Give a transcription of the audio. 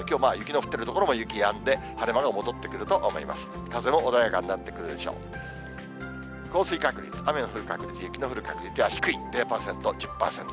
降水確率、雨の降る確率、雪の降る確率は低い、０％、１０％。